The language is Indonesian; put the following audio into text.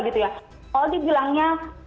gitu ya kalau dibilangnya